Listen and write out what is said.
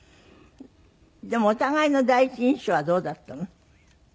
でもお互いの第一印象はどうだったの？